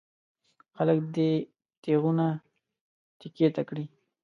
خلک دې تېغونه تېکې ته کړي.